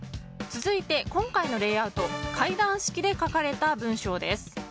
続いて今回のレイアウト階段式で書かれた文章です。